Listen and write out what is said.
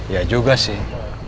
iya juga sih